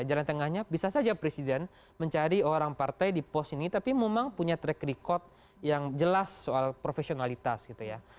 jalan tengahnya bisa saja presiden mencari orang partai di pos ini tapi memang punya track record yang jelas soal profesionalitas gitu ya